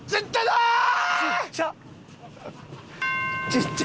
ちっちゃ！